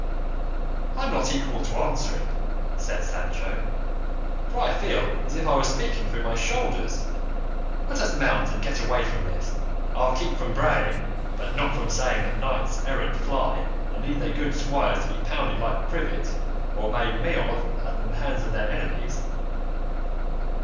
"I'm not equal to answering," said Sancho, "for I feel as if I was speaking through my shoulders; let us mount and get away from this; I'll keep from braying, but not from saying that knights errant fly and leave their good squires to be pounded like privet, or made meal of at the hands of their enemies."